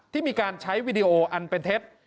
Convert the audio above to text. ที่มีการใช้วิดีโออันเป็นเท็จ